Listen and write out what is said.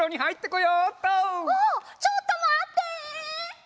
ああっちょっとまって！